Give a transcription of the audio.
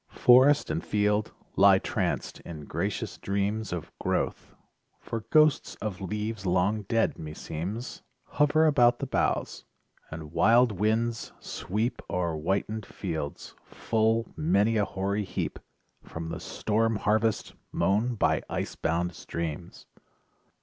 Forest and field lie tranced in gracious dreams Of growth, for ghosts of leaves long dead, me seems, Hover about the boughs; and wild winds sweep O'er whitened fields full many a hoary heap From the storm harvest mown by ice bound streams!